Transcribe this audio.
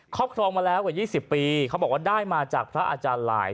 รอบครองมาแล้วกว่า๒๐ปีเขาบอกว่าได้มาจากพระอาจารย์หลาย